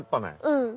うん。